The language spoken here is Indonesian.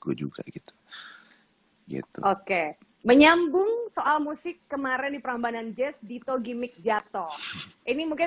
gue juga gitu oke menyambung soal musik kemarin di prambanan jazz dito gimmick jato ini mungkin